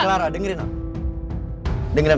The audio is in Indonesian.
clara dengerin aku